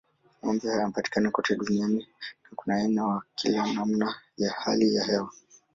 Ng'ombe wanapatikana kote duniani na kuna aina kwa kila namna ya hali ya hewa.